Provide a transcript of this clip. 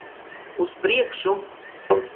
Uz priekšu!